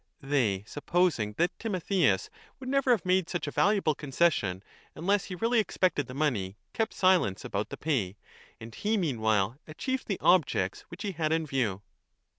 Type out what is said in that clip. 1350^ They, supposing that Timotheus would never have made such a valuable concession unless he really expected the money, kept silence about the pay; and he meanwhile achieved the objects which he had in view.